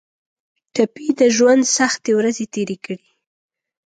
ټپي د ژوند سختې ورځې تېرې کړي.